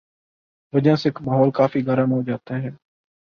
وجہ سے ماحول کافی گرم ہوجاتا ہے